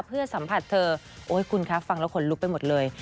เพื่อสัมผัสเธอโอ้ยคุณคะฟังแล้วขนลุกไปหมดเลย